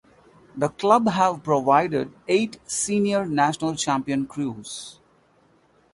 The club have provided eight senior national champion crews.